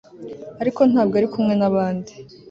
Ariko ntabwo ari kumwe nabandi